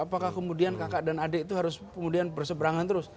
apakah kemudian kakak dan adik itu harus kemudian berseberangan terus